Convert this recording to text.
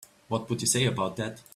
What would you say about that?